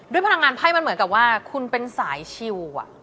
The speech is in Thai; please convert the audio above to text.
พลังงานไพ่มันเหมือนกับว่าคุณเป็นสายชิว